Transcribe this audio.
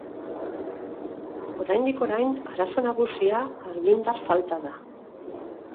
Oraindik orain arazo nagusia argindar falta da.